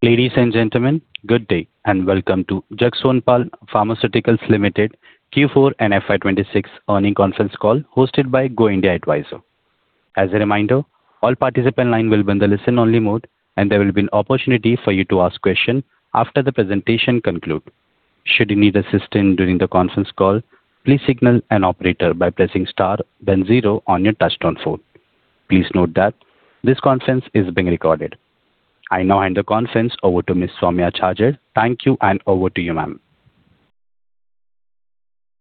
Ladies and gentlemen, good day, and welcome to Jagsonpal Pharmaceuticals Limited Q4 and FY 2026 earnings conference call hosted by Go India Advisors. As a reminder, all participant line will be in the listen-only mode, and there will be an opportunity for you to ask question after the presentation conclude. Should you need assistance during the conference call, please signal an operator by pressing Star then 0 on your touchtone phone. Please note that this conference is being recorded. I now hand the conference over to Ms. Soumya Chhajed. Thank you, and over to you, ma'am.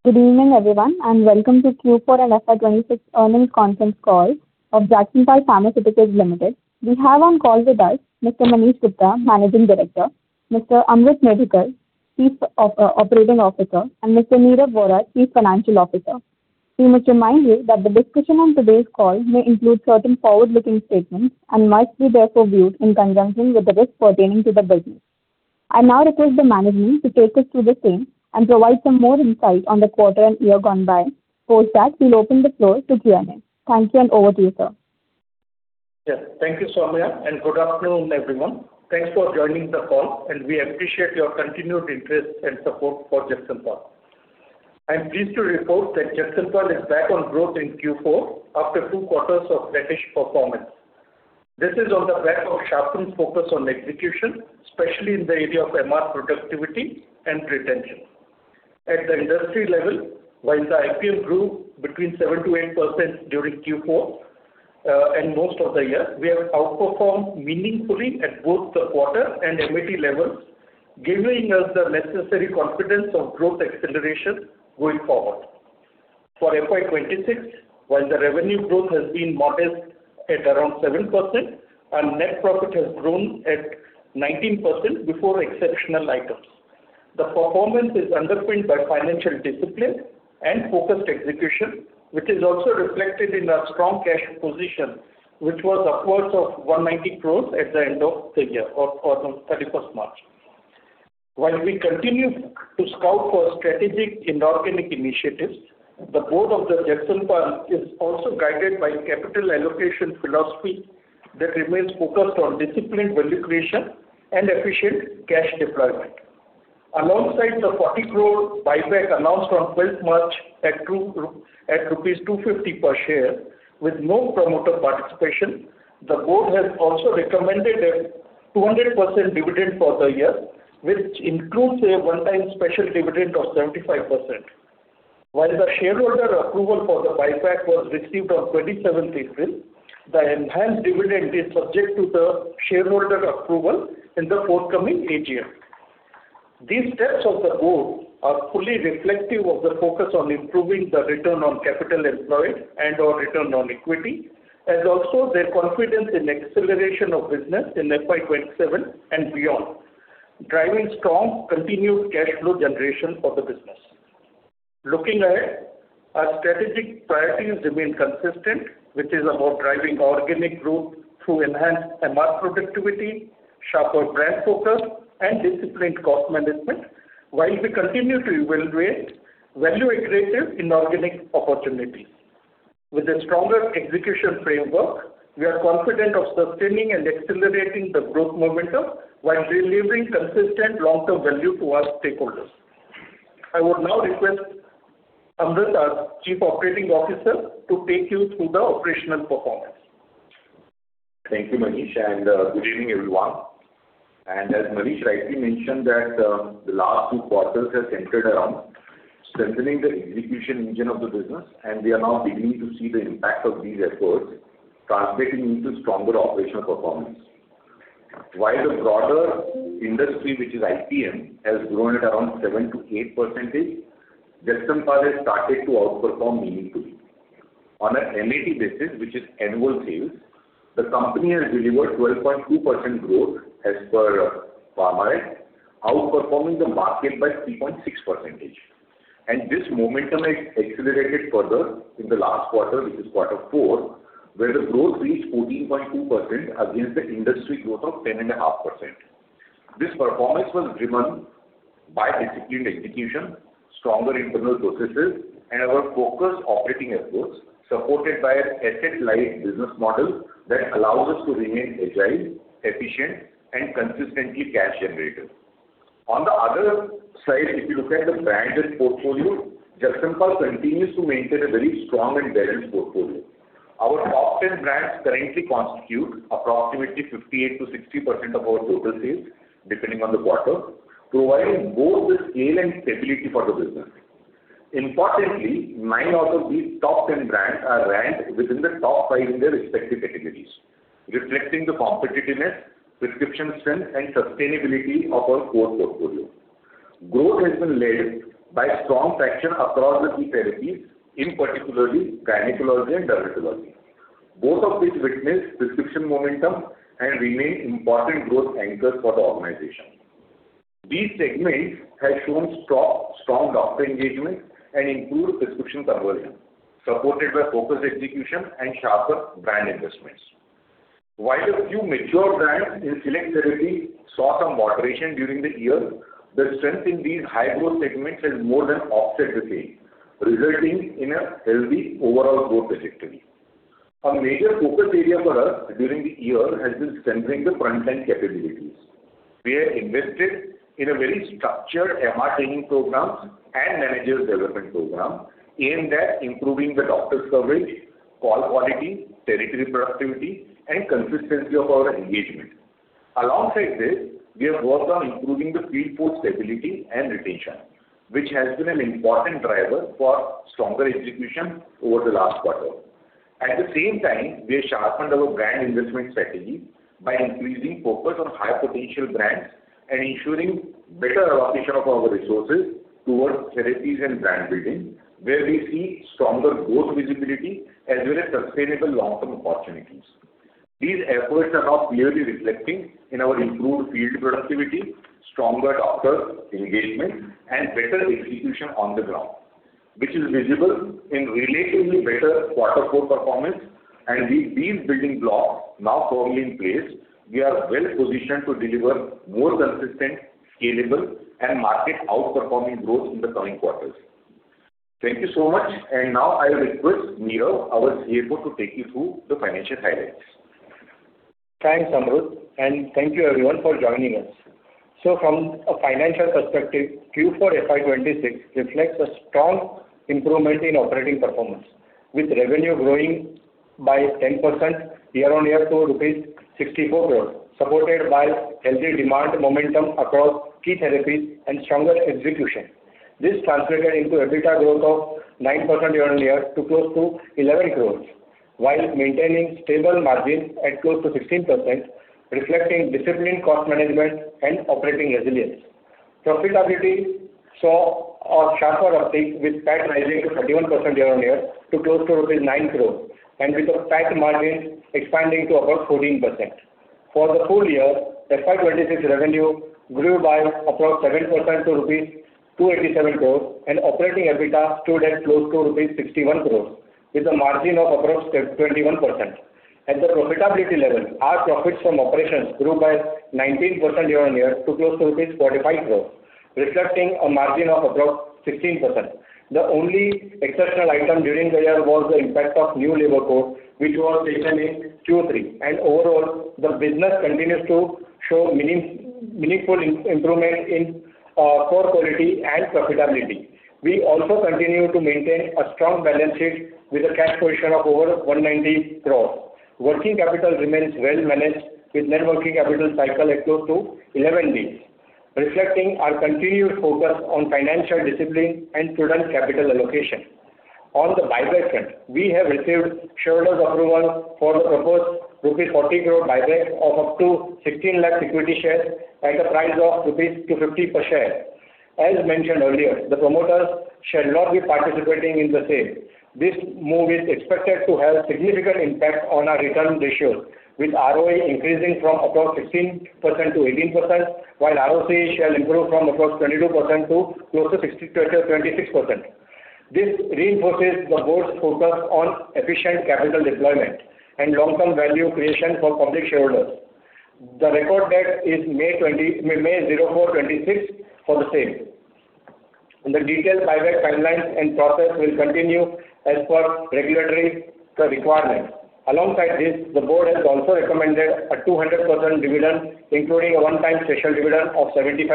Good evening, everyone, and welcome to Q4 and FY 2026 earnings conference call of Jagsonpal Pharmaceuticals Limited. We have on call with us Mr. Manish Gupta, Managing Director; Mr. Amrut Medhekar, Chief Operating Officer; and Mr. Nirav Vora, Chief Financial Officer. We must remind you that the discussion on today's call may include certain forward-looking statements and must be therefore viewed in conjunction with the risk pertaining to the business. I now request the management to take us through the same and provide some more insight on the quarter and year gone by. Post that, we'll open the floor to Q&A. Thank you, and over to you, sir. Yes. Thank you, Soumya, and good afternoon, everyone. Thanks for joining the call, and we appreciate your continued interest and support for Jagsonpal. I'm pleased to report that Jagsonpal is back on growth in Q4 after two quarters of flattish performance. This is on the back of sharpened focus on execution, especially in the area of MR productivity and retention. At the industry level, while the IPM grew between 7%-8% during Q4, and most of the year, we have outperformed meaningfully at both the quarter and MAT levels, giving us the necessary confidence of growth acceleration going forward. For FY 2026, while the revenue growth has been modest at around 7% and net profit has grown at 19% before exceptional items. The performance is underpinned by financial discipline and focused execution, which is also reflected in our strong cash position, which was upwards of 190 crore at the end of the year or on March 31st. While we continue to scout for strategic inorganic initiatives, the board of the Jagsonpal is also guided by capital allocation philosophy that remains focused on disciplined value creation and efficient cash deployment. Alongside the 40 crore buyback announced on March 12th at rupees 250 per share with no promoter participation, the board has also recommended a 200% dividend for the year, which includes a one-time special dividend of 75%. While the shareholder approval for the buyback was received on twenty-seventh April, the enhanced dividend is subject to the shareholder approval in the forthcoming AGM. These steps of the board are fully reflective of the focus on improving the return on capital employed and/or return on equity, as also their confidence in acceleration of business in FY 2027 and beyond, driving strong continued cash flow generation for the business. Looking ahead, our strategic priorities remain consistent, which is about driving organic growth through enhanced MR productivity, sharper brand focus, and disciplined cost management while we continue to evaluate value-accretive inorganic opportunities. With a stronger execution framework, we are confident of sustaining and accelerating the growth momentum while delivering consistent long-term value to our stakeholders. I would now request Amrut, our Chief Operating Officer, to take you through the operational performance. Thank you, Manish, and good evening, everyone. As Manish rightly mentioned that, the last two quarters have centered around strengthening the execution engine of the business, and we are now beginning to see the impact of these efforts translating into stronger operational performance. While the broader industry, which is IPM, has grown at around 7%-8%, Jagsonpal has started to outperform meaningfully. On an MAT basis, which is annual sales, the company has delivered 12.2% growth as per Pharma, outperforming the market by 3.6%. This momentum has accelerated further in the last quarter, which is quarter four, where the growth reached 14.2% against the industry growth of 10.5%. This performance was driven by disciplined execution, stronger internal processes, and our focused operating efforts, supported by an asset-light business model that allows us to remain agile, efficient, and consistently cash generative. On the other side, if you look at the branded portfolio, Jagsonpal continues to maintain a very strong and balanced portfolio. Our top 10 brands currently constitute approximately 58%-60% of our total sales, depending on the quarter, providing both the scale and stability for the business. Importantly, nine out of these top 10 brands are ranked within the top five in their respective categories, reflecting the competitiveness, prescription strength, and sustainability of our core portfolio. Growth has been led by strong traction across the key therapies, in particularly gynecology and dermatology, both of which witness prescription momentum and remain important growth anchors for the organization. These segments have shown strong doctor engagement and improved prescription conversion, supported by focused execution and sharper brand investments. While a few mature brands in select therapies saw some moderation during the year, the strength in these high-growth segments has more than offset the same, resulting in a healthy overall growth trajectory. A major focus area for us during the year has been centering the front line capabilities. We have invested in a very structured MR training program and managers development program aimed at improving the doctor's coverage, call quality, territory productivity, and consistency of our engagement. Alongside this, we have worked on improving the field force stability and retention, which has been an important driver for stronger execution over the last quarter. At the same time, we have sharpened our brand investment strategy by increasing focus on high potential brands and ensuring better allocation of our resources towards therapies and brand building, where we see stronger growth visibility as well as sustainable long-term opportunities. These efforts are now clearly reflecting in our improved field productivity, stronger doctor engagement, and better execution on the ground, which is visible in relatively better quarter core performance. With these building blocks now firmly in place, we are well-positioned to deliver more consistent, scalable, and market outperforming growth in the coming quarters. Thank you so much. Now I request Nirav, our CFO, to take you through the financial highlights. Thanks, Amrut, thank you everyone for joining us. From a financial perspective, Q4 FY 2026 reflects a strong improvement in operating performance, with revenue growing by 10% year-on-year to rupees 64 crore, supported by healthy demand momentum across key therapies and stronger execution. This translated into EBITDA growth of 9% year-on-year to close to 11 crore, while maintaining stable margins at close to 16%, reflecting disciplined cost management and operating resilience. Profitability saw a sharper uptick with PAT rising to 31% year-on-year to close to 9 crore and with the PAT margin expanding to about 14%. For the full year, FY 2026 revenue grew by about 7% to rupees 287 crore and operating EBITDA stood at close to rupees 61 crore with a margin of about 21%. At the profitability level, our profits from operations grew by 19% year-on-year to close to rupees 45 crore, reflecting a margin of about 16%. The only exceptional item during the year was the impact of new labor code, which was taken in Q3. Overall, the business continues to show meaningful improvement in core quality and profitability. We also continue to maintain a strong balance sheet with a cash position of over 190 crore. Working capital remains well managed with net working capital cycle at close to 11 days, reflecting our continued focus on financial discipline and prudent capital allocation. On the buyback front, we have received shareholders' approval for the proposed rupees 40 crore buyback of up to 16 lakh security shares at a price of rupees 250 per share. As mentioned earlier, the promoters shall not be participating in the same. This move is expected to have significant impact on our return ratios, with ROE increasing from about 16%-18%, while ROC shall improve from about 22% to close to 26%. This reinforces the board's focus on efficient capital deployment and long-term value creation for public shareholders. The record date is May 04, 2026 for the same. The detailed buyback timelines and process will continue as per regulatory requirements. Alongside this, the board has also recommended a 200% dividend, including a one-time special dividend of 75%.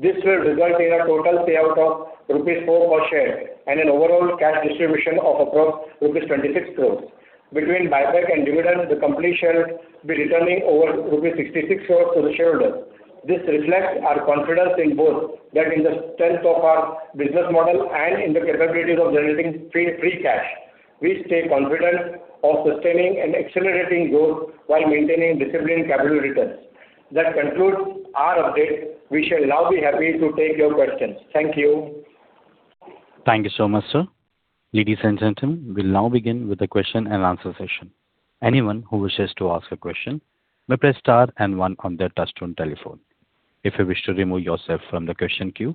This will result in a total payout of rupees 4 per share and an overall cash distribution of about rupees 26 crore. Between buyback and dividend, the company shall be returning over rupees 66 crore to the shareholders. This reflects our confidence in both that in the strength of our business model and in the capabilities of generating free cash. We stay confident of sustaining and accelerating growth while maintaining disciplined capital returns. That concludes our update. We shall now be happy to take your questions. Thank you. Thank you so much, sir. Ladies and gentlemen, we'll now begin with the question and answer session. Anyone who wishes to ask a question may press star and one on their touchtone telephone. If you wish to remove yourself from the question queue,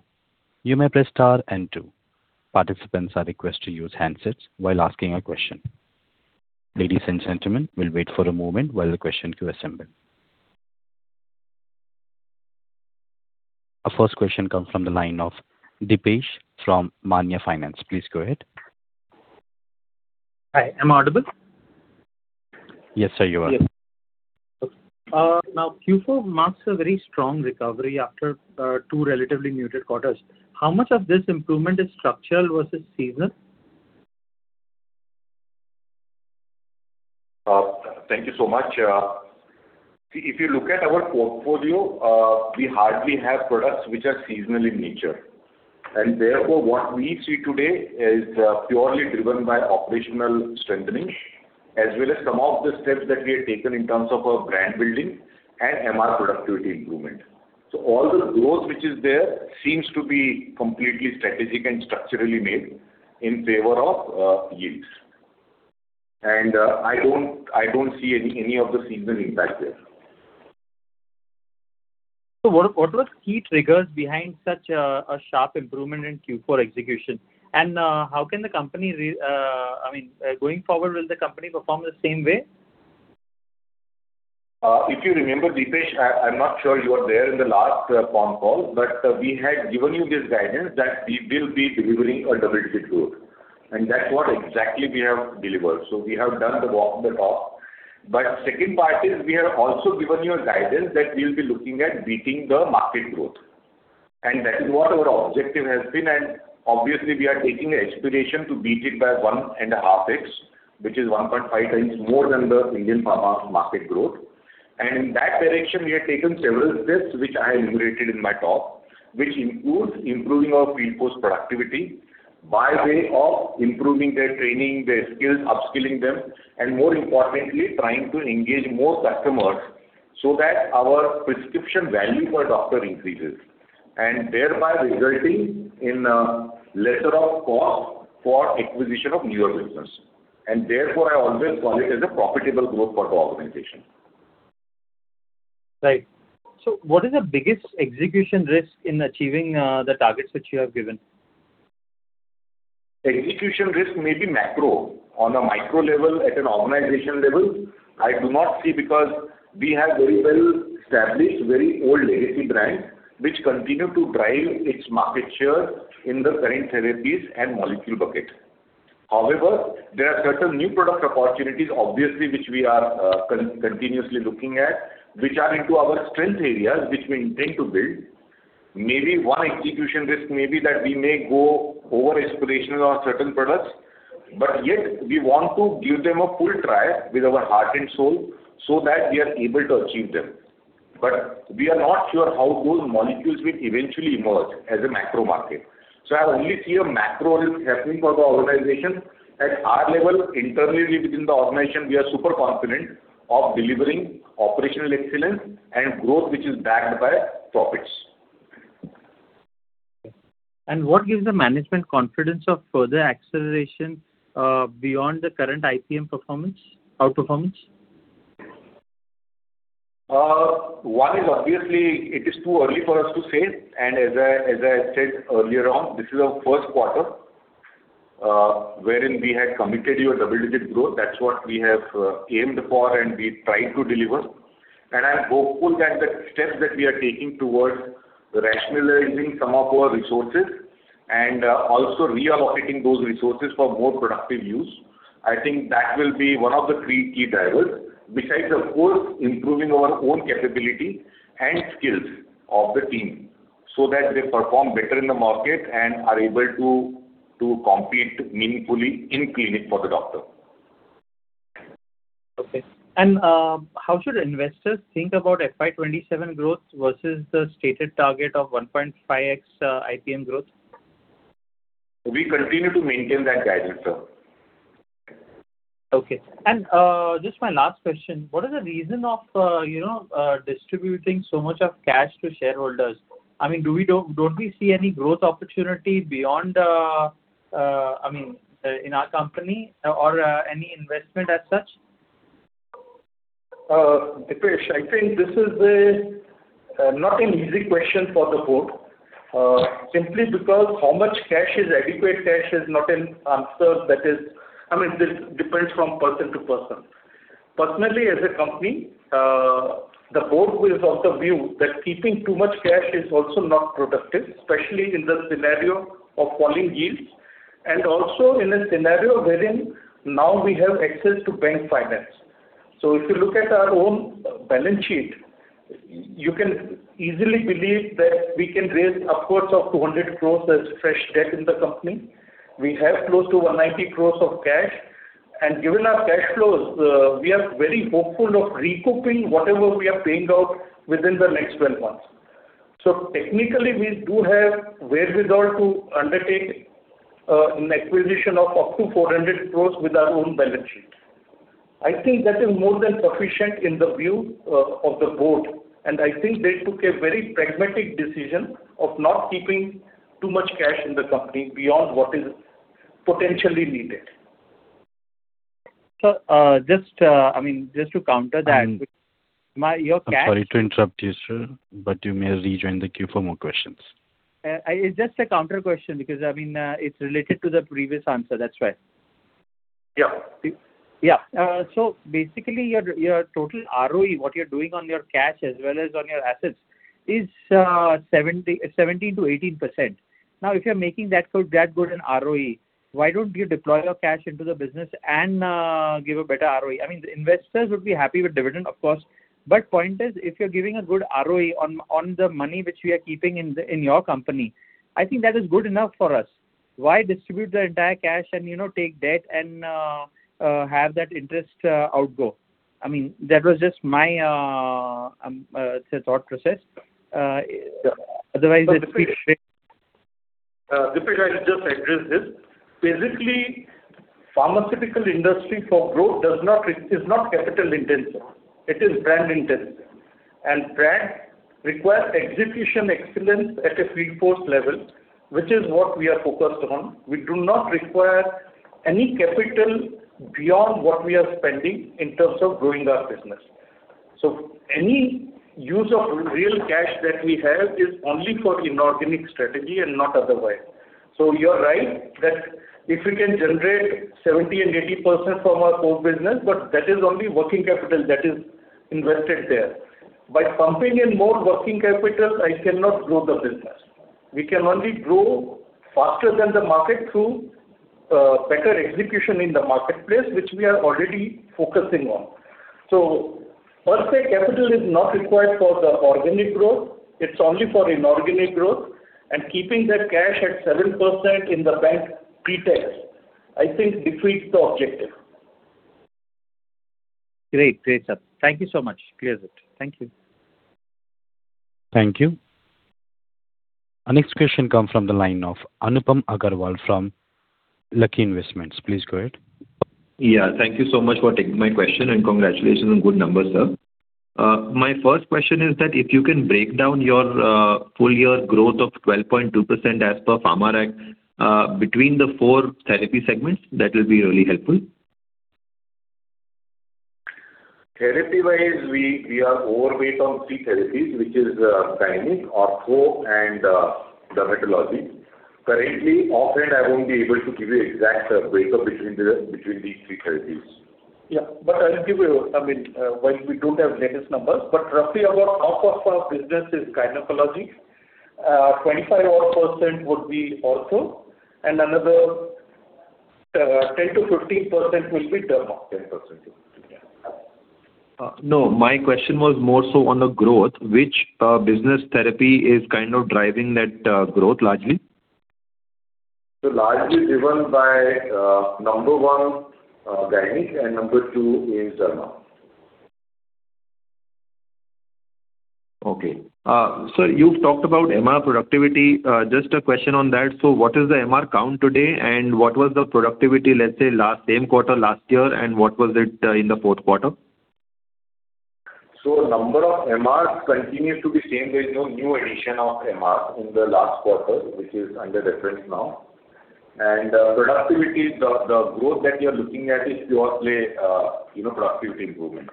you may press star and two. Participants are requested to use handsets while asking a question. Ladies and gentlemen, we'll wait for a moment while the question queue assembles. Our first question comes from the line of Deepesh from Manya Finance. Please go ahead. Hi, am I audible? Yes, sir, you are. Q4 marks a very strong recovery after two relatively muted quarters. How much of this improvement is structural versus seasonal? Thank you so much. If you look at our portfolio, we hardly have products which are seasonal in nature. Therefore, what we see today is purely driven by operational strengthening, as well as some of the steps that we have taken in terms of brand building and MR productivity improvement. All the growth which is there seems to be completely strategic and structurally made in favor of yields. I don't see any of the seasonal impact there. What was key triggers behind such a sharp improvement in Q4 execution? How can the company I mean, going forward, will the company perform the same way? If you remember, Deepesh, I'm not sure you were there in the last phone call, but we had given you this guidance that we will be delivering a double-digit growth. That's what exactly we have delivered. We have done the walk the talk. Second part is we have also given you a guidance that we'll be looking at beating the market growth. That is what our objective has been, and obviously we are taking aspiration to beat it by 1.5x, which is 1.5x more than the Indian pharma market growth. In that direction, we have taken several steps, which I enumerated in my talk, which includes improving our field force productivity by way of improving their training, their skills, upskilling them, and more importantly, trying to engage more customers so that our prescription value per doctor increases, and thereby resulting in lesser of cost for acquisition of newer business. Therefore, I always call it as a profitable growth for the organization. Right. What is the biggest execution risk in achieving the targets which you have given? Execution risk may be macro. On a micro level, at an organization level, I do not see because we have very well established, very old legacy brands which continue to drive its market share in the current therapies and molecule bucket. There are certain new product opportunities, obviously, which we are continuously looking at, which are into our strength areas, which we intend to build. Maybe one execution risk may be that we may go over aspirational on certain products, but yet we want to give them a full try with our heart and soul so that we are able to achieve them. We are not sure how those molecules will eventually emerge as a macro market. I only see a macro risk happening for the organization. At our level, internally within the organization, we are super confident of delivering operational excellence and growth which is backed by profits. What gives the management confidence of further acceleration beyond the current IPM performance, outperformance? One is obviously it is too early for us to say, and as I said earlier on, this is our first quarter, wherein we had committed you a double-digit growth. That's what we have aimed for and we tried to deliver. I'm hopeful that the steps that we are taking towards rationalizing some of our resources and also reallocating those resources for more productive use, I think that will be one of the three key drivers. Besides, of course, improving our own capability and skills of the team so that they perform better in the market and are able to compete meaningfully in clinic for the doctor. Okay. How should investors think about FY 2027 growth versus the stated target of 1.5x IPM growth? We continue to maintain that guidance, sir. Okay. Just my last question. What is the reason of, you know, distributing so much of cash to shareholders? I mean, don't we see any growth opportunity beyond, I mean, in our company or any investment as such? Deepesh, I think this is a not an easy question for the board, simply because how much cash is adequate cash is not an answer. I mean, this depends from person to person. Personally, as a company, the board is of the view that keeping too much cash is also not productive, especially in the scenario of falling yields, and also in a scenario wherein now we have access to bank finance. If you look at our own balance sheet, you can easily believe that we can raise upwards of 200 crore as fresh debt in the company. We have close to 190 crore of cash. Given our cash flows, we are very hopeful of recouping whatever we are paying out within the next 12 months. Technically, we do have wherewithal to undertake an acquisition of up to 400 crore with our own balance sheet. I think that is more than sufficient in the view of the board. I think they took a very pragmatic decision of not keeping too much cash in the company beyond what is potentially needed. Just, I mean, just to counter that. I'm- My... Your cash- I'm sorry to interrupt you, sir, but you may rejoin the queue for more questions. It's just a counter question because, I mean, it's related to the previous answer. That's why. Yeah. Basically your total ROE, what you're doing on your cash as well as on your assets is 17%-18%. If you're making that good an ROE, why don't you deploy your cash into the business and give a better ROE? I mean, the investors would be happy with dividend, of course, but point is, if you're giving a good ROE on the money which we are keeping in your company, I think that is good enough for us. Why distribute the entire cash and, you know, take debt and have that interest outgo? I mean, that was just my thought process. Deepesh, I'll just address this. Basically, pharmaceutical industry for growth is not capital intensive. It is brand intensive. Brand requires execution excellence at a field force level, which is what we are focused on. We do not require any capital beyond what we are spending in terms of growing our business. Any use of real cash that we have is only for inorganic strategy and not otherwise. You're right that if we can generate 70% and 80% from our core business, but that is only working capital that is invested there. By pumping in more working capital, I cannot grow the business. We can only grow faster than the market through better execution in the marketplace, which we are already focusing on. Per se capital is not required for the organic growth. It's only for inorganic growth, and keeping that cash at 7% in the bank pre-tax, I think defeats the objective. Great. Great, sir. Thank you so much. Clears it. Thank you. Thank you. Our next question come from the line of Anupam Agarwal from Lucky Investments. Please go ahead. Yeah. Thank you so much for taking my question, and congratulations on good numbers, sir. My first question is that if you can break down your full year growth of 12.2% as per Pharma between the four therapy segments, that will be really helpful. Therapy-wise, we are overweight on three therapies, which is gyne, ortho and dermatology. Currently, offhand I won't be able to give you exact breakup between these three therapies. Yeah. I'll give you, I mean, while we don't have latest numbers, but roughly about half of our business is gynecology. 25% odd would be ortho and another, 10%-15% will be derma. 10%. Yeah. No, my question was more so on the growth. Which business therapy is kind of driving that growth largely? Largely driven by, number one, gyne and number two is derma. Okay. You've talked about MR productivity. Just a question on that. What is the MR count today, and what was the productivity, let's say, last same quarter last year, and what was it in the fourth quarter? Number of MRs continue to be same. There's no new addition of MR in the last quarter, which is under reference now. Productivity, the growth that you're looking at is purely, you know, productivity improvement.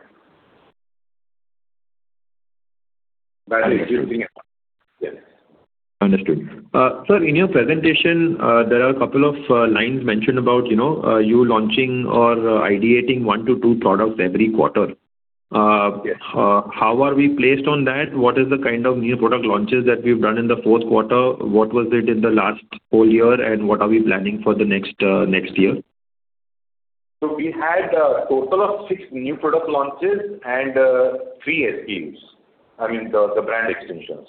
Understood. Yes. Understood. Sir, in your presentation, there are a couple of lines mentioned about, you know, you launching or ideating one to two products every quarter. Yes. How are we placed on that? What is the kind of new product launches that we've done in the fourth quarter? What was it in the last full year, and what are we planning for the next year? We had a total of six new product launches and, three SKUs. I mean the brand extensions.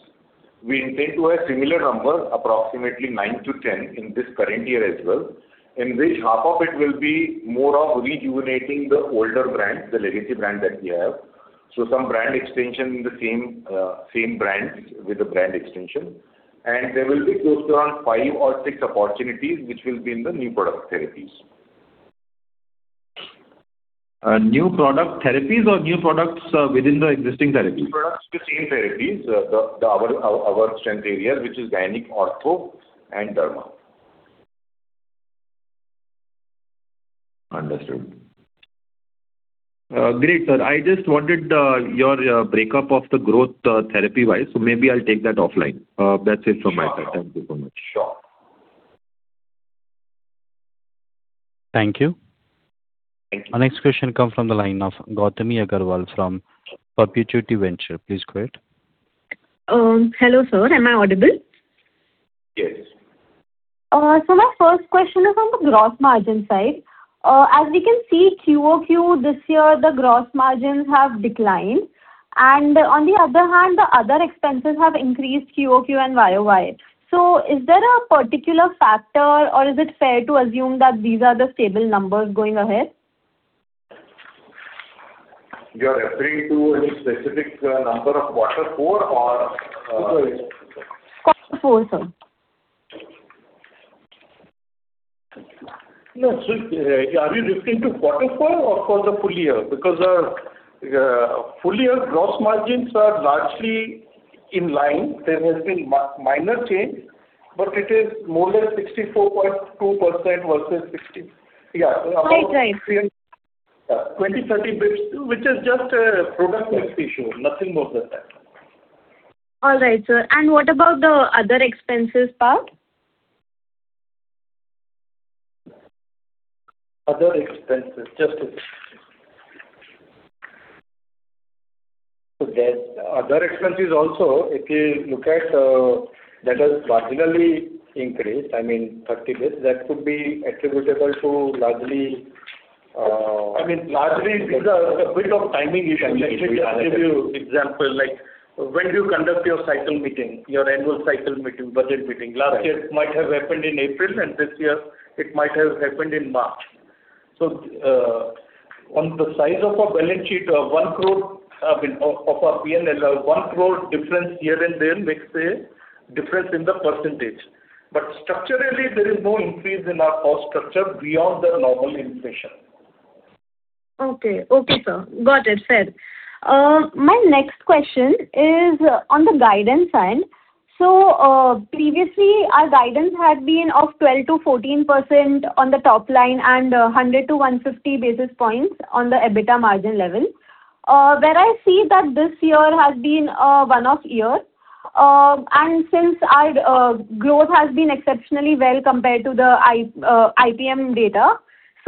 We intend to have similar number, approximately nine to 10, in this current year as well, in which half of it will be more of rejuvenating the older brands, the legacy brand that we have. Some brand extension in the same brand with the brand extension. There will be close to around five or six opportunities, which will be in the new product therapies. New product therapies or new products, within the existing therapies? New products in the same therapies. Our strength area, which is gyne, ortho and derma. Understood. Great, sir. I just wanted your breakup of the growth therapy-wise. Maybe I'll take that offline. That's it from my side. Sure. Thank you so much. Sure. Thank you. Our next question come from the line of Gautami Agarwal from Perpetuity Venture. Please go ahead. Hello sir. Am I audible? Yes. My first question is on the gross margin side. As we can see QoQ this year, the gross margins have declined, on the other hand, the other expenses have increased QoQ and YoY. Is there a particular factor or is it fair to assume that these are the stable numbers going ahead? You're referring to any specific number of quarter four or? Quarter four, sir. No. Are you referring to quarter four or for the full year? Full year gross margins are largely in line. There has been minor change, but it is more than 64.2% versus 60%. Yeah. Right. Right. About 20 basis points, 30 basis points, which is just a product mix issue, nothing more than that. All right, sir. What about the other expenses part? Other expenses. Just a second. The other expenses also, if you look at, that has marginally increased, I mean 30 basis points. That could be attributable to largely. I mean, largely it's a bit of timing issue. Timing issue. Let me give you example, like when do you conduct your cycle meeting, your annual cycle meeting, budget meeting? Right. Last year it might have happened in April, and this year it might have happened in March. On the size of a balance sheet, 1 crore, I mean, of our P&L, 1 crore difference here and there makes a difference in the percentage. Structurally, there is no increase in our cost structure beyond the normal inflation. Okay. Okay, sir. Got it. Fair. My next question is on the guidance side. Previously our guidance had been of 12%-14% on the top line and 100 basis points-150 basis points on the EBITDA margin level. Where I see that this year has been one-off year, and since our growth has been exceptionally well compared to the IPM data.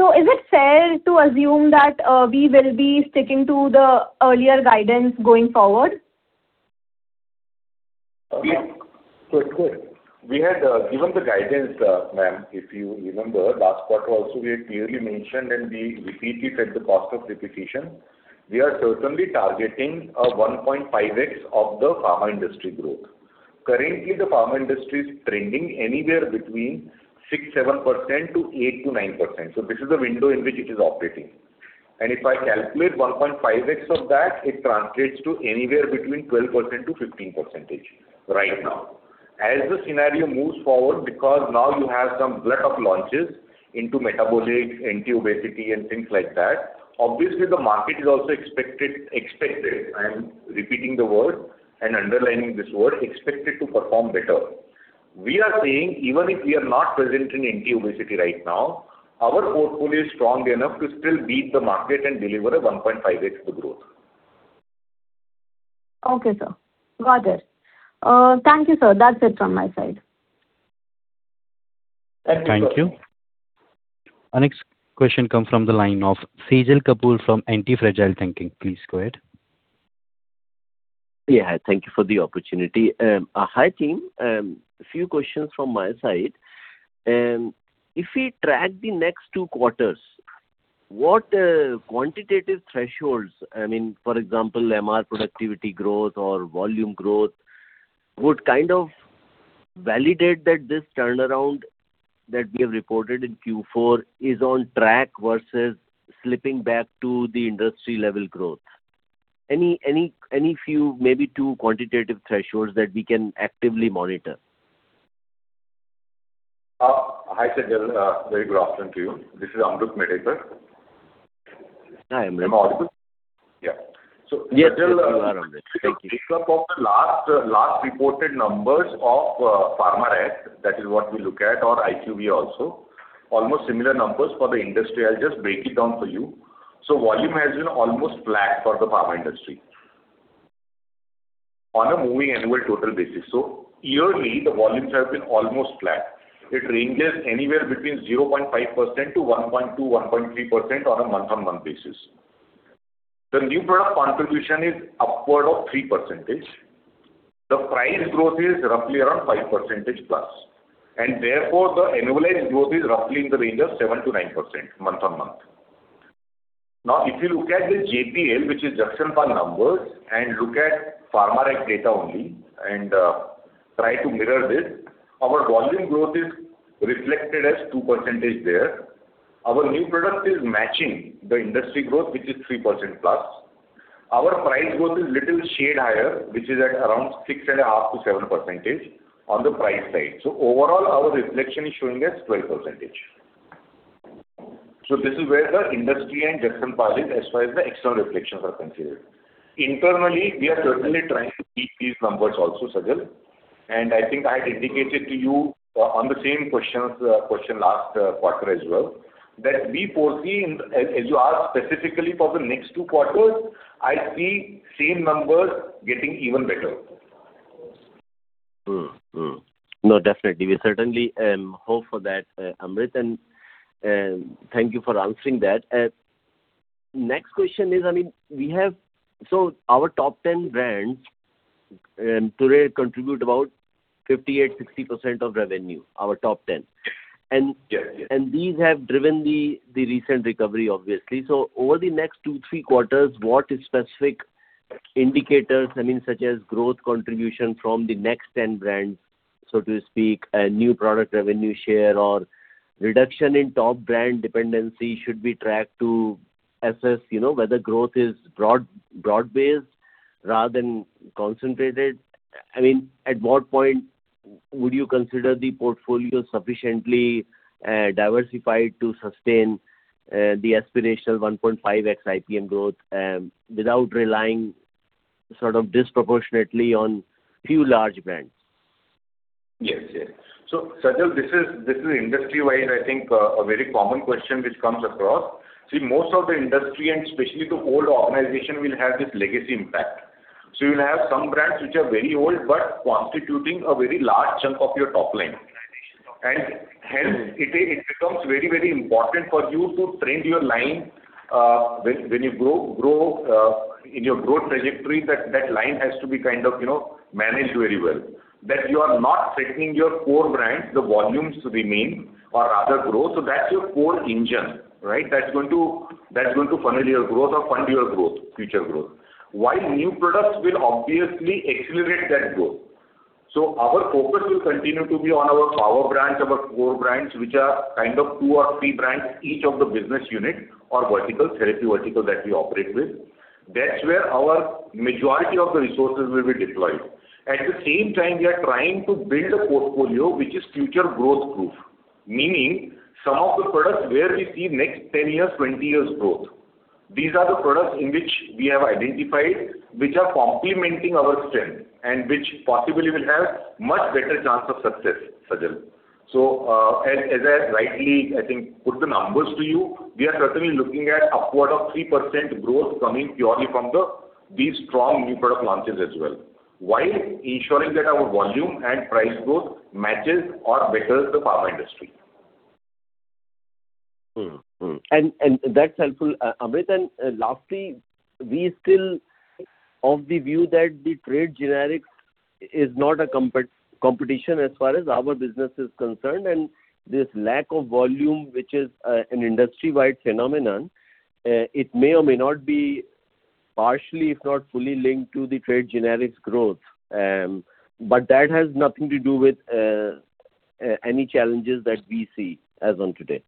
Is it fair to assume that we will be sticking to the earlier guidance going forward? Sure, sure. We had given the guidance, ma'am, if you remember last quarter also we had clearly mentioned, and we repeat it at the cost of repetition, we are certainly targeting 1.5x of the pharma industry growth. Currently, the pharma industry is trending anywhere between 6%-7% to 8%-9%. This is the window in which it is operating. If I calculate 1.5x of that, it translates to anywhere between 12%-15% right now. As the scenario moves forward, because now you have some glut of launches into metabolic, anti-obesity and things like that, obviously the market is also expected, I am repeating the word and underlining this word, expected to perform better. We are saying even if we are not present in anti-obesity right now, our portfolio is strong enough to still beat the market and deliver a 1.5x of the growth. Okay, sir. Got it. Thank you, sir. That's it from my side. Thank you. Thank you. Our next question comes from the line of Sajal Kapoor from Antifragile Thinking. Please go ahead. Yeah. Thank you for the opportunity. Hi, team. A few questions from my side. If we track the next two quarters, what quantitative thresholds, I mean, for example, MR productivity growth or volume growth, would kind of validate that this turnaround that we have reported in Q4 is on track versus slipping back to the industry level growth? Any few maybe two quantitative thresholds that we can actively monitor? Hi, Sajal. Very good afternoon to you. This is Amrut Medhekar. Hi, Amrut. Am I audible? Yeah. Yeah. Still Amrut Medhekar. Thank you. Based off of the last reported numbers of PharmaTrac, that is what we look at or IQVIA also, almost similar numbers for the industry. I'll just break it down for you. Volume has been almost flat for the pharma industry on a moving annual total basis. Yearly the volumes have been almost flat. It ranges anywhere between 0.5% to 1.2%-1.3% on a month-on-month basis. The new product contribution is upward of 3%. The price growth is roughly around 5%+. Therefore, the annualized growth is roughly in the range of 7%-9% month-on-month. If you look at the JPL, which is Jagsonpal numbers, and look at PharmaTrac data only and try to mirror this, our volume growth is reflected as 2% there. Our new product is matching the industry growth, which is 3%+. Our price growth is little shade higher, which is at around 6.5%-7% on the price side. Overall, our reflection is showing as 12%. This is where the industry and Jagsonpal is as far as the external reflections are considered. Internally, we are certainly trying to beat these numbers also, Sajal, and I think I had indicated to you on the same question last quarter as well, that we foresee as you ask specifically for the next two quarters, I see same numbers getting even better. No, definitely. We certainly hope for that, Amrut, and thank you for answering that. Next question is, I mean, our top 10 brands today contribute about 58%-60% of revenue, our top 10. Yeah, yeah. These have driven the recent recovery obviously. Over the next two, three quarters, what specific indicators, I mean, such as growth contribution from the next 10 brands, so to speak, a new product revenue share or reduction in top brand dependency should be tracked to assess, you know, whether growth is broad-based rather than concentrated. I mean, at what point would you consider the portfolio sufficiently diversified to sustain the aspirational 1.5x IPM growth without relying sort of disproportionately on few large brands? Yes, yes. Sajal, this is industry-wise I think, a very common question which comes across. Most of the industry and especially the old organization will have this legacy impact. You'll have some brands which are very old, but constituting a very large chunk of your top line. Hence it becomes very, very important for you to trend your line, when you grow in your growth trajectory, that line has to be kind of, you know, managed very well. That you are not threatening your core brands, the volumes remain or rather grow. That's your core engine, right? That's going to funnel your growth or fund your growth, future growth. While new products will obviously accelerate that growth. Our focus will continue to be on our power brands, our core brands, which are kind of two or three brands, each of the business unit or vertical, therapy vertical that we operate with. That's where our majority of the resources will be deployed. At the same time, we are trying to build a portfolio which is future growth proof. Meaning some of the products where we see next 10 years, 20 years growth. These are the products in which we have identified, which are complementing our strength and which possibly will have much better chance of success, Sajal. As, as I rightly, I think, put the numbers to you, we are certainly looking at upward of 3% growth coming purely from these strong new product launches as well, while ensuring that our volume and price growth matches or betters the pharma industry. Mm-hmm. Mm-hmm. That's helpful, Amrut. Lastly, we still of the view that the trade generic is not a competition as far as our business is concerned, this lack of volume, which is an industry-wide phenomenon, it may or may not be partially, if not fully, linked to the trade generics growth. That has nothing to do with any challenges that we see as on today.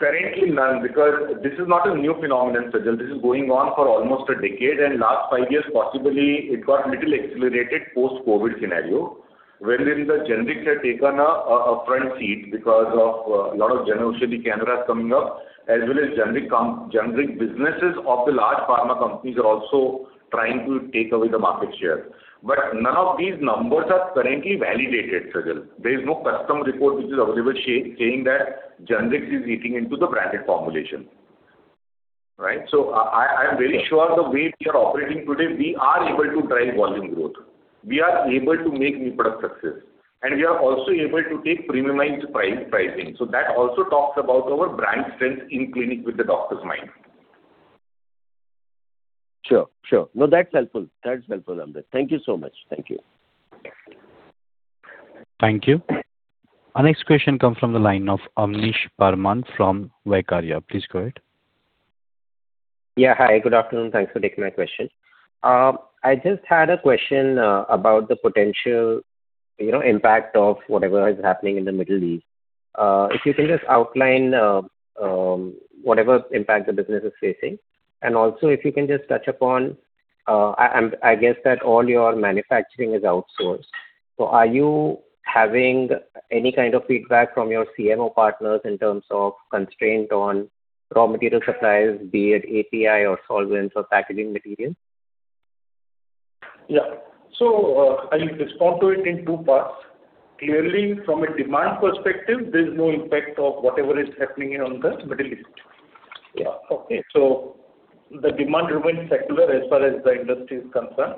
Currently none, because this is not a new phenomenon, Sajal. This is going on for almost a decade, last five years possibly it got little accelerated post-COVID scenario wherein the generics have taken a front seat. I'll respond to it in two parts. Clearly, from a demand perspective, there's no impact of whatever is happening on the Middle East. Yeah. Okay. The demand remains secular as far as the industry is concerned.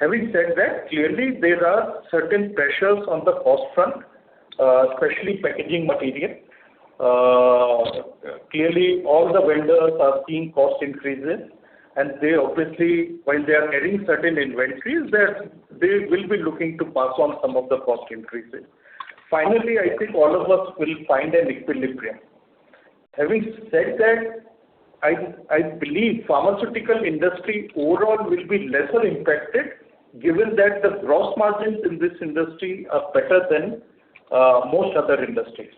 Having said that, clearly there are certain pressures on the cost front, especially packaging material. Clearly all the vendors are seeing cost increases, and they obviously, while they are carrying certain inventories, they will be looking to pass on some of the cost increases. Finally, I think all of us will find an equilibrium. Having said that, I believe pharmaceutical industry overall will be lesser impacted given that the gross margins in this industry are better than most other industries.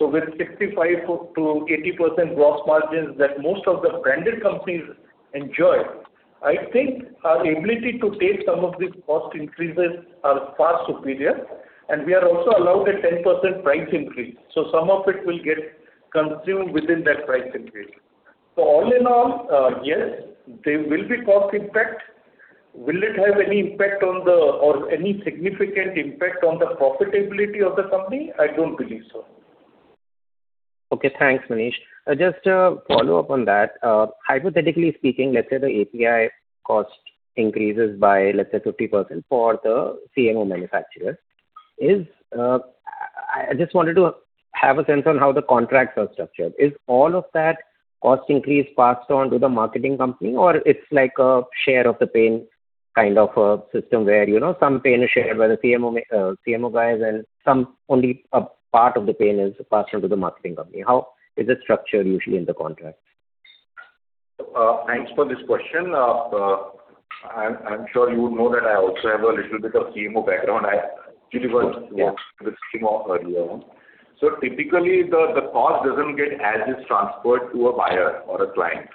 With 65%-80% gross margins that most of the branded companies enjoy, I think our ability to take some of these cost increases are far superior, and we are also allowed a 10% price increase, so some of it will get consumed within that price increase. All in all, yes, there will be cost impact. Will it have any significant impact on the profitability of the company? I don't believe so. Okay. Thanks, Manish. Just a follow-up on that. hypothetically speaking, let's say the API cost increases by, let's say, 50% for the CMO manufacturer. I just wanted to have a sense on how the contracts are structured. Is all of that cost increase passed on to the marketing company or it's like a share of the pain kind of a system where, you know, some pain is shared by the CMO guys and some only a part of the pain is passed on to the marketing company? How is it structured usually in the contract? Thanks for this question. I'm sure you would know that I also have a little bit of CMO background. Yeah. With CMO earlier on. Typically, the cost doesn't get as is transferred to a buyer or a client.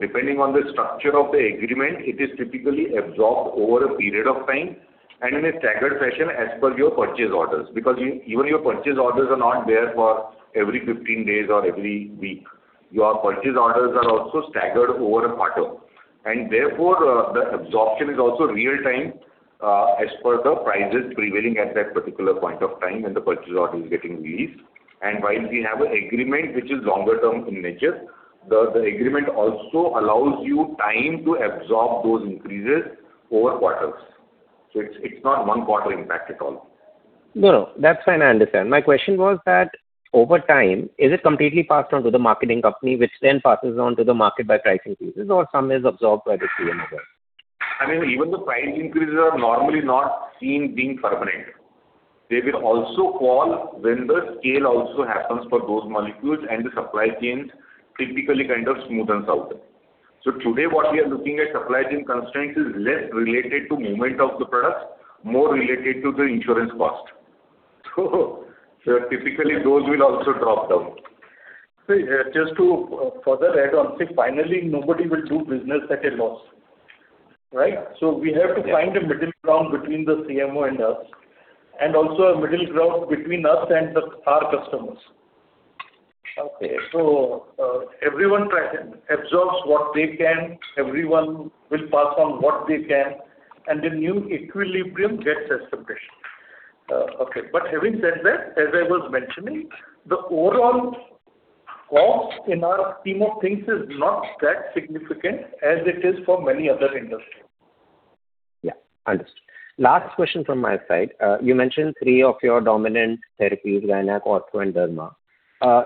Depending on the structure of the agreement, it is typically absorbed over a period of time and in a staggered fashion as per your purchase orders. Even your purchase orders are not there for every 15 days or every week. Your purchase orders are also staggered over a quarter, and therefore, the absorption is also real time, as per the prices prevailing at that particular point of time when the purchase order is getting released. While we have an agreement which is longer term in nature, the agreement also allows you time to absorb those increases over quarters. It's not one quarter impact at all. No, no, that's fine. I understand. My question was that over time, is it completely passed on to the marketing company, which then passes on to the market by price increases or some is absorbed by the CMO guys? I mean, even the price increases are normally not seen being permanent. They will also fall when the scale also happens for those molecules and the supply chains typically kind of smoothens out. Today, what we are looking at supply chain constraints is less related to movement of the products, more related to the insurance cost. Typically those will also drop down. Just to, further add on, see, finally, nobody will do business at a loss, right? Yeah. We have to find a middle ground between the CMO and us, and also a middle ground between us and our customers. Everyone absorbs what they can, everyone will pass on what they can, and a new equilibrium gets established. Okay. Having said that, as I was mentioning, the overall cost in our scheme of things is not that significant as it is for many other industries. Yeah, understood. Last question from my side. You mentioned three of your dominant therapies, gynec, ortho, and derma.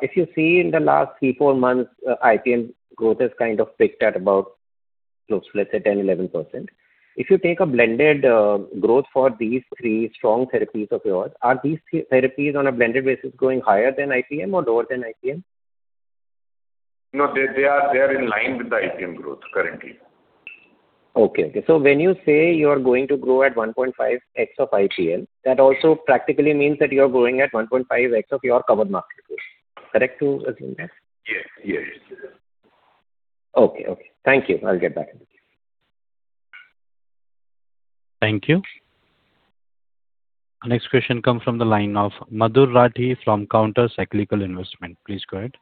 If you see in the last three, four months, IPM growth has kind of picked at about, close to let's say 10%-11%. If you take a blended growth for these three strong therapies of yours, are these three therapies on a blended basis growing higher than IPM or lower than IPM? No, they are in line with the IPM growth currently. Okay. Okay. When you say you're going to grow at 1.5x of IPM, that also practically means that you're growing at 1.5x of your covered market growth. Correct to assume that? Yes. Yes. Okay. Okay. Thank you. I'll get back. Thank you. Our next question comes from the line of Madhur Rathi from Counter-Cyclical Investments. Please go ahead.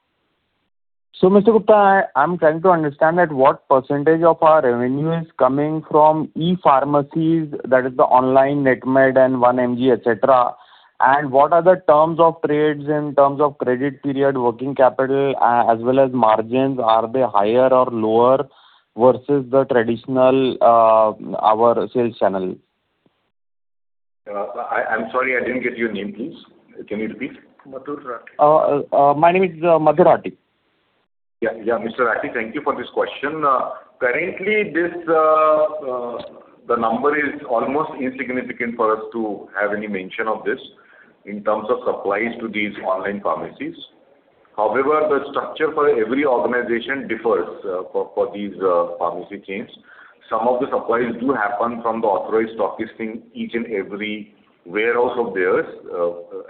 Mr. Gupta, I'm trying to understand that what percentage of our revenue is coming from e-pharmacies, that is the online Netmeds and 1mg, et cetera. What are the terms of trades in terms of credit period, working capital, as well as margins, are they higher or lower versus the traditional our sales channel? I'm sorry, I didn't get your name please. Can you repeat? Madhur Rathi. My name is Madhur Rathi. Yeah. Yeah. Mr. Rathi, thank you for this question. Currently, this the number is almost insignificant for us to have any mention of this in terms of supplies to these online pharmacies. However, the structure for every organization differs, for these pharmacy chains. Some of the supplies do happen from the authorized stocking each and every warehouse of theirs,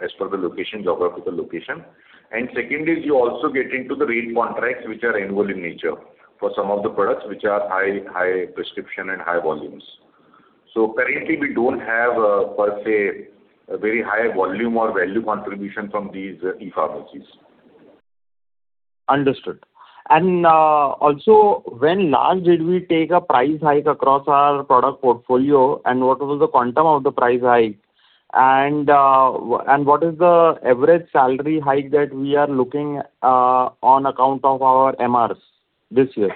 as per the location, geographical location. Second is you also get into the rate contracts which are annual in nature for some of the products which are high prescription and high volumes. Currently, we don't have per se a very high volume or value contribution from these e-pharmacies. Understood. Also when last did we take a price hike across our product portfolio and what was the quantum of the price hike? What is the average salary hike that we are looking on account of our MRs this year?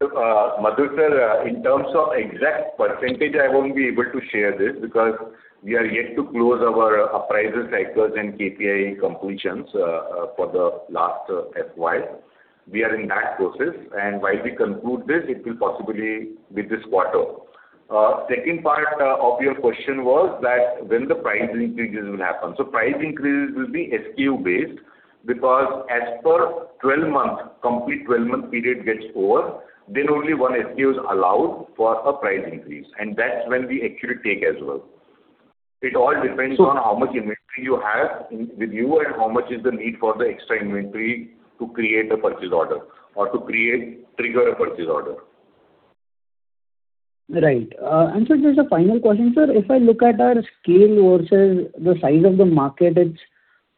Look, Madhur, sir, in terms of exact percentage, I won't be able to share this because we are yet to close our appraisal cycles and KPI completions for the last FY. We are in that process, and while we conclude this, it will possibly be this quarter. Second part of your question was that when the price increases will happen. Price increases will be SKU-based because as per 12-month, complete 12-month period gets over, then only one SKU is allowed for a price increase, and that's when we actually take as well. It all depends on how much inventory you have with you and how much is the need for the extra inventory to create a purchase order or to trigger a purchase order. Right. Sir, just a final question. Sir, if I look at our scale versus the size of the market, it's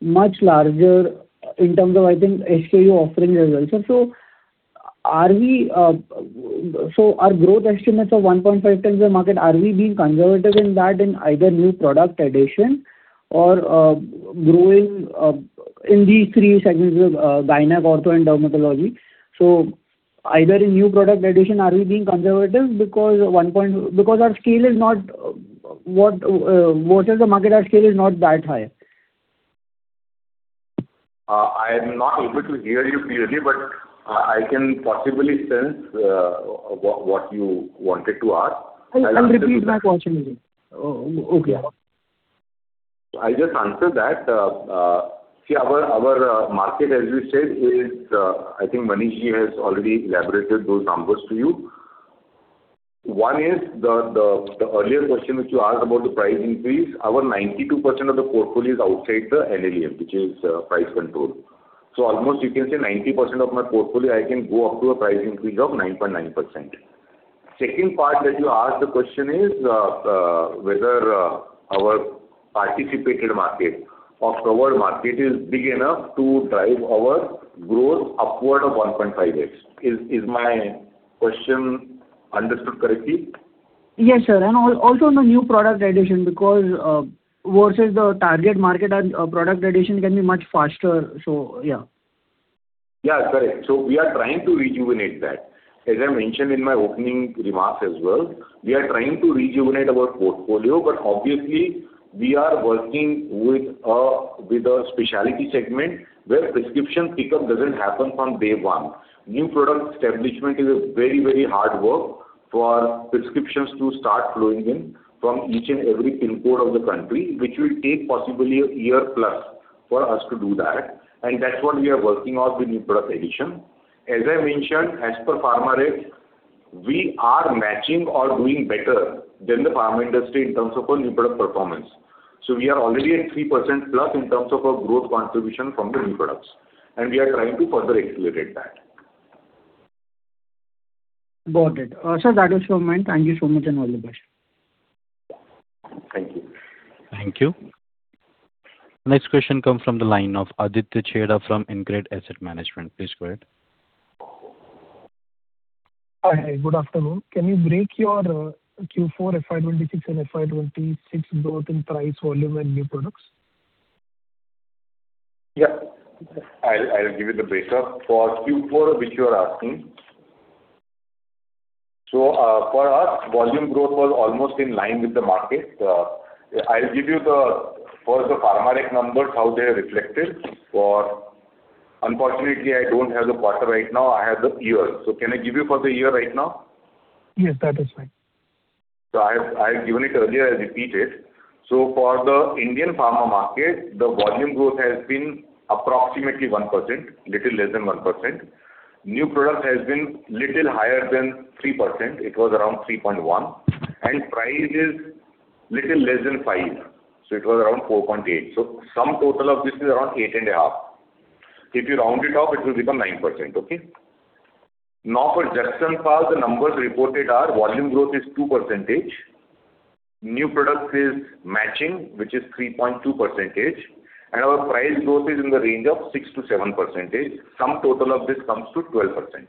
much larger in terms of, I think, SKU offerings as well. Are we, so our growth estimates of 1.5x the market, are we being conservative in that in either new product addition or growing in these three segments of gynec, ortho, and dermatology? Either in new product addition, are we being conservative because our scale is not what versus the market, our scale is not that high. I'm not able to hear you clearly, but I can possibly sense what you wanted to ask. I'll repeat my question again. Okay. I'll just answer that. See our market as we said is, I think Manish-ji has already elaborated those numbers to you. One is the earlier question which you asked about the price increase. Our 92% of the portfolio is outside the NLEM, which is price controlled. Almost you can say 90% of my portfolio, I can go up to a price increase of 9.9%. Second part that you asked the question is whether our participated market or covered market is big enough to drive our growth upward of 1.5x. Is my question understood correctly? Yes, sir. Also on the new product addition because versus the target market and product addition can be much faster. Yeah. Yeah, correct. We are trying to rejuvenate that. As I mentioned in my opening remarks as well, we are trying to rejuvenate our portfolio, but obviously we are working with a specialty segment where prescription pickup doesn't happen from day one. New product establishment is a very, very hard work for prescriptions to start flowing in from each and every pin code of the country, which will take possibly a year plus for us to do that. That's what we are working on with new product addition. As I mentioned, as per PharmaTrac, we are matching or doing better than the pharma industry in terms of our new product performance. We are already at 3%+ in terms of our growth contribution from the new products, and we are trying to further accelerate that. Got it. Sir, that was from me. Thank you so much, and all the best. Thank you. Thank you. Next question comes from the line of Aditya Chheda from InCred Asset Management. Please go ahead. Hi. Good afternoon. Can you break your Q4 FY 2026 and FY 2026 growth in price, volume and new products? Yeah. I'll give you the breakup for Q4, which you are asking. For us, volume growth was almost in line with the market. I'll give you first, the PharmaTrac numbers. Unfortunately, I don't have the quarter right now. I have the year. Can I give you for the year right now? Yes, that is fine. I've given it earlier, I'll repeat it. For the Indian pharma market, the volume growth has been approximately 1%, little less than 1%. New product has been little higher than 3%. It was around 3.1%. Price is little less than 5%, so it was around 4.8%. Sum total of this is around 8.5%. If you round it off, it will become 9%. Okay. For JPL, the numbers reported are volume growth is 2%. New product is matching, which is 3.2%. Our price growth is in the range of 6%-7%. Sum total of this comes to 12%.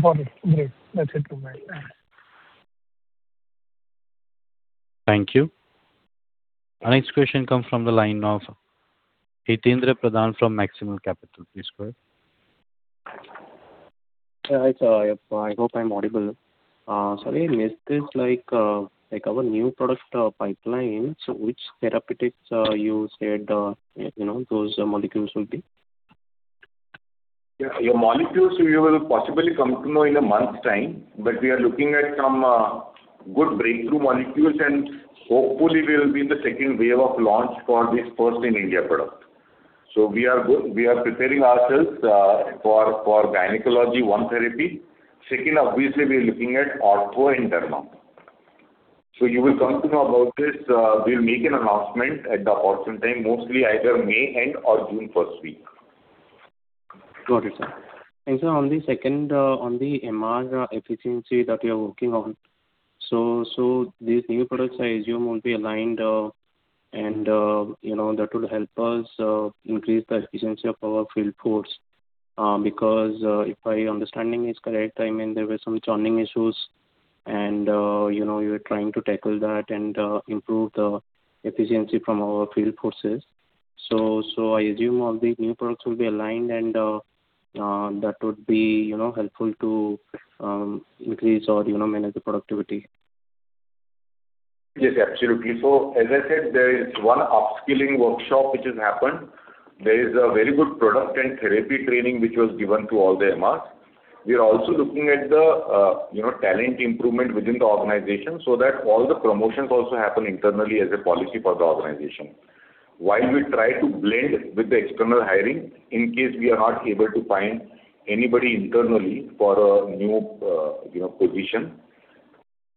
Got it. Great. That's it from my end. Thank you. Our next question comes from the line of Hitaindra Pradhan from Maximal Capital. Please go ahead. Yeah. Hi, sir. I hope I'm audible. Sir, I missed this, like our new product pipeline. Which therapeutics you said, you know, those molecules will be? Yeah. Your molecules you will possibly come to know in a month's time, but we are looking at some good breakthrough molecules, and hopefully we'll be in the second wave of launch for this first in India product. We are preparing ourselves for gynecology, one therapy. Second, obviously we are looking at ortho and derma. You will come to know about this. We'll make an announcement at the opportune time, mostly either May end or June first week. Got it, sir. Sir, on the second, on the MR efficiency that you're working on. These new products I assume will be aligned, and, you know, that would help us increase the efficiency of our field force. Because, if my understanding is correct, I mean, there were some churning issues and, you know, you're trying to tackle that and improve the efficiency from our field forces. I assume all these new products will be aligned and that would be, you know, helpful to increase or, you know, manage the productivity. Yes, absolutely. As I said, there is one upskilling workshop which has happened. There is a very good product and therapy training which was given to all the MRs. We are also looking at the, you know, talent improvement within the organization so that all the promotions also happen internally as a policy for the organization. While we try to blend with the external hiring in case we are not able to find anybody internally for a new, you know, position.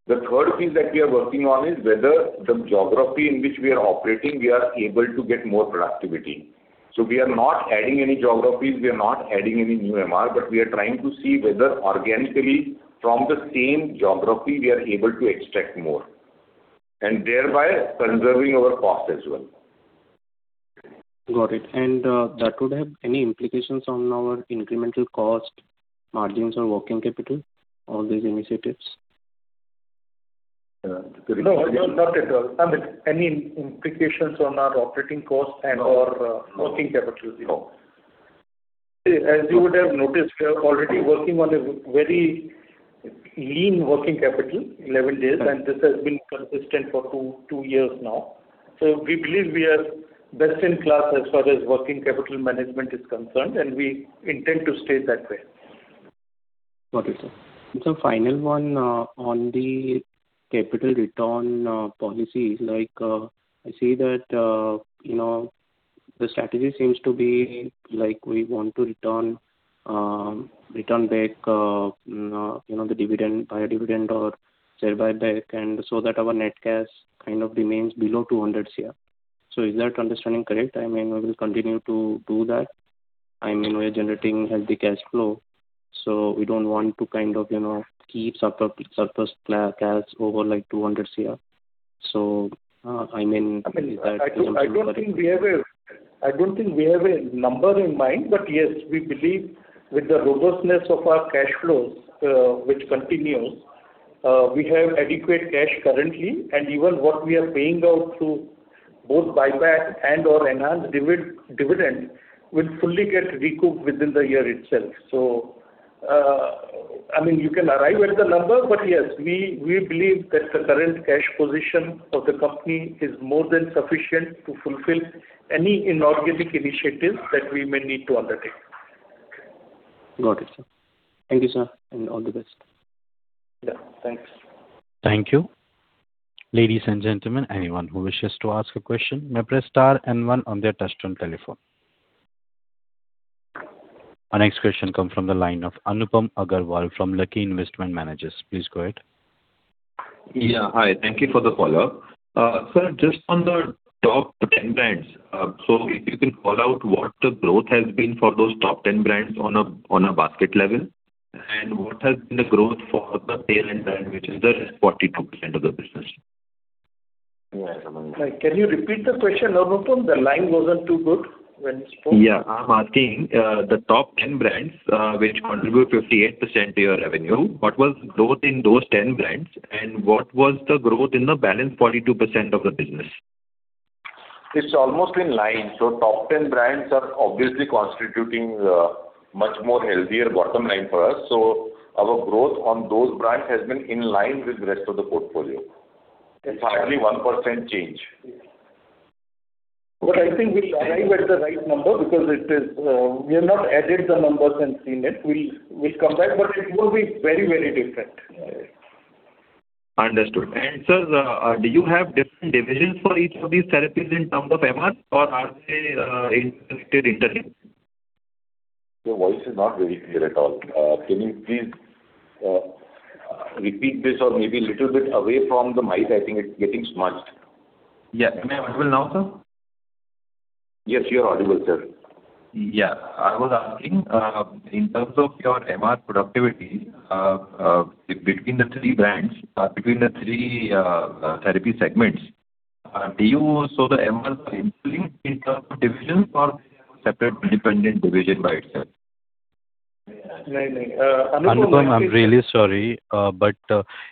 The third thing that we are working on is whether the geography in which we are operating, we are able to get more productivity. We are not adding any geographies, we are not adding any new MR, but we are trying to see whether organically from the same geography we are able to extract more, and thereby preserving our cost as well. Got it. That would have any implications on our incremental cost margins or working capital, all these initiatives? No, not at all. Any implications on our operating costs and or working capital? No. As you would have noticed, we are already working on a very lean working capital, 11 days, and this has been consistent for two years now. We believe we are best in class as far as working capital management is concerned, and we intend to stay that way. Got it, sir. Final one, on the capital return, policy. Like, I see that, you know, the strategy seems to be like we want to return back, you know, the dividend, pay a dividend or share buyback and so that our net cash kind of remains below 200 crore. Is that understanding correct? I mean, we will continue to do that. I mean, we are generating healthy cash flow, so we don't want to kind of, you know, keep surplus cash over like 200 crore. I don't think we have a number in mind. Yes, we believe with the robustness of our cash flows, which continues, we have adequate cash currently, and even what we are paying out through both buyback and/or enhanced dividend will fully get recouped within the year itself. I mean, you can arrive at the number, yes, we believe that the current cash position of the company is more than sufficient to fulfill any inorganic initiative that we may need to undertake. Got it, sir. Thank you, sir, and all the best. Yeah. Thanks. Thank you. Ladies and gentlemen, anyone who wishes to ask a question may press star and one on their touch-tone telephone. Our next question come from the line of Anupam Agarwal from Lucky Investment Managers. Please go ahead. Yeah. Hi. Thank you for the follow-up. Sir, just on the top 10 brands, if you can call out what the growth has been for those top 10 brands on a basket level, and what has been the growth for the tailwind brand, which is the 42% of the business. Yeah. Can you repeat the question, Anupam? The line wasn't too good when you spoke. Yeah. I'm asking the top 10 brands, which contribute 58% to your revenue, what was growth in those 10 brands and what was the growth in the balance 42% of the business? It's almost in line. Top 10 brands are obviously constituting much more healthier bottom line for us. Our growth on those brands has been in line with the rest of the portfolio. It's hardly 1% change. I think we'll arrive at the right number because it is, we have not added the numbers and seen it. We'll compare, it won't be very, very different. Understood. Sir, do you have different divisions for each of these therapies in terms of MR or are they interconnected entities? Your voice is not very clear at all. Can you please repeat this or maybe a little bit away from the mic. I think it's getting smudged. Yeah. Am I audible now, sir? Yes, you're audible, sir. Yeah. I was asking, in terms of your MR productivity, between the three brands, between the three therapy segments, do you saw the MR for insulin in terms of divisions or separate independent division by itself? No, no. Anupam, I'm really sorry,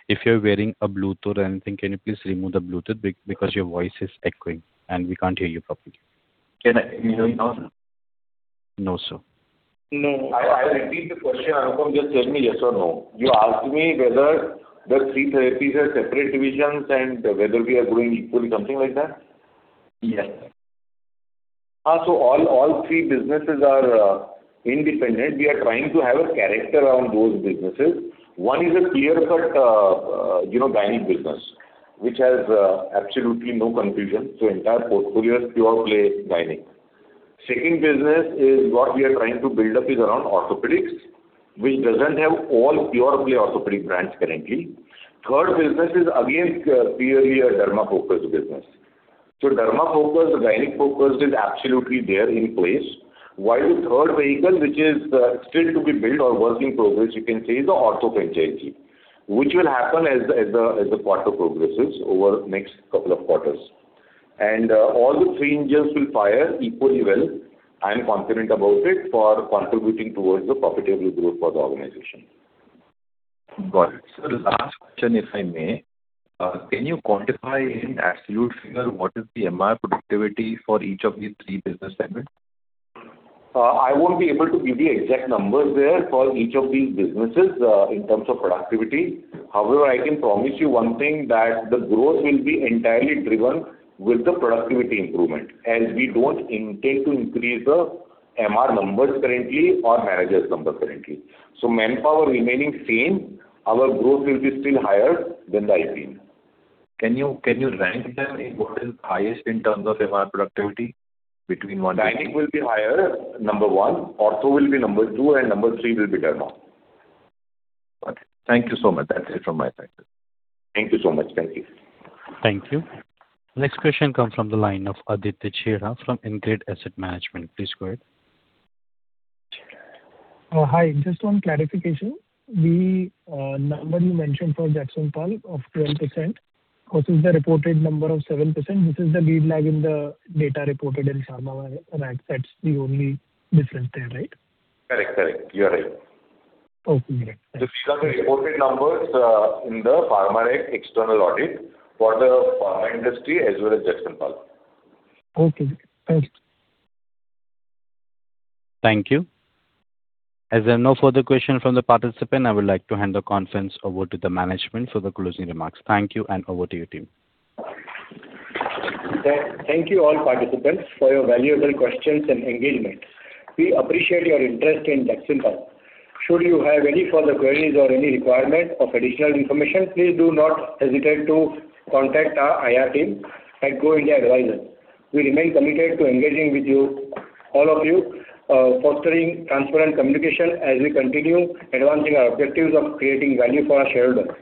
if you're wearing a Bluetooth or anything, can you please remove the Bluetooth because your voice is echoing and we can't hear you properly. Can you hear me now, sir? No, sir. No. I repeat the question, Anupam. Just tell me yes or no. You asked me whether the three therapies are separate divisions and whether we are growing equally, something like that? Yes. All three businesses are independent. We are trying to have a character around those businesses. One is a clear cut, you know, gynae business, which has absolutely no confusion. Entire portfolio is pure play gynae. Second business is what we are trying to build up is around orthopaedics, which doesn't have all pure play orthopaedic brands currently. Third business is again, purely a derma-focused business. Derma-focused, gynae-focused is absolutely there in place. While the third vehicle, which is still to be built or work in progress, you can say, is the ortho franchise, which will happen as the quarter progresses over next two quarters. All the three engines will fire equally well. I am confident about it for contributing towards the profitable growth for the organization. Got it. Sir, last question, if I may. Can you quantify in absolute figure what is the MR productivity for each of these three business segments? I won't be able to give the exact numbers there for each of these businesses in terms of productivity. However, I can promise you one thing that the growth will be entirely driven with the productivity improvement, as we don't intend to increase the MR numbers currently or managers number currently. Manpower remaining same, our growth will be still higher than the IPM. Can you rank them in what is highest in terms of MR productivity between one- Gynae will be higher, number one. Ortho will be number two, and number three will be derma. Got it. Thank you so much. That's it from my side, sir. Thank you so much. Thank you. Thank you. Next question comes from the line of Aditya Chheda from InCred Asset Management. Please go ahead. Hi. Just one clarification. The number you mentioned for Jagsonpal of 12% versus the reported number of 7%, this is the lead lag in the data reported in PharmaTrac. That's the only difference there, right? Correct, correct. You are right. Okay, great. These are the reported numbers in the PharmaTrac external audit for the pharma industry as well as Jagsonpal. Okay. Thanks. Thank you. As there are no further questions from the participant, I would like to hand the conference over to the management for the closing remarks. Thank you. Over to you, team. Thank you all participants for your valuable questions and engagement. We appreciate your interest in Jagsonpal. Should you have any further queries or any requirement of additional information, please do not hesitate to contact our IR team at Go India Advisors. We remain committed to engaging with you, all of you, fostering transparent communication as we continue advancing our objectives of creating value for our shareholders.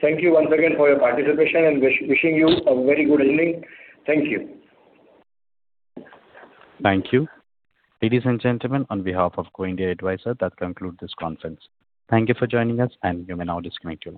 Thank you once again for your participation, wishing you a very good evening. Thank you. Thank you. Ladies and gentlemen, on behalf of Go India Advisors, that concludes this conference. Thank you for joining us, and you may now disconnect your line.